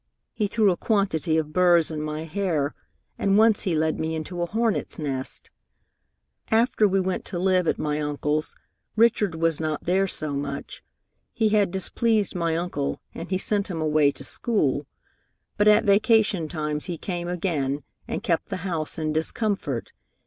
He threw a quantity of burrs in my hair, and once he led me into a hornet's nest. After we went to live at my uncle's, Richard was not there so much. He had displeased my uncle, and he sent him away to school; but at vacation times he came again, and kept the house in discomfort.